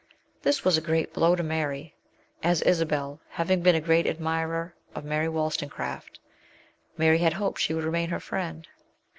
This was a great blow to Mary, as, Isabel having been a great admirer of Mary Wollstonecraft, Mary had hoped she would remain her friend.